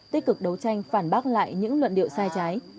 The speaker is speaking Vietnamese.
tích cực đấu tranh phản bác lại những luận điệu sai trái